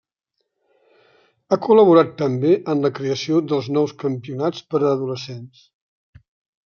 Ha col·laborat també en la creació dels nous campionats per a adolescents.